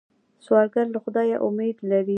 سوالګر له خدایه امید لري